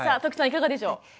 いかがでしょう？